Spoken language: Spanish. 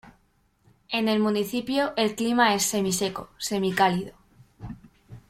En el municipio el clima es semiseco semicálido.